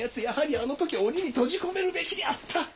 やはりあの時檻に閉じ込めるべきであった。